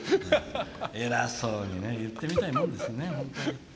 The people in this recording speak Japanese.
偉そうに言ってみたいものですね。